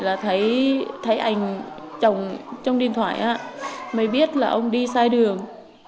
ảnh chồng trong điện thoại á mới biết là ông đi sai đường